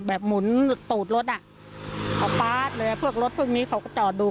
แบบหมุนตูดรถอ่ะป๊าดเลยเพื่อกรถพรุ่งนี้เขาก็จอดดู